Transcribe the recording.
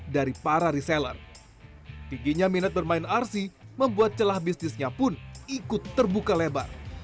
dari para reseller tingginya minat bermain rc membuat celah bisnisnya pun ikut terbuka lebar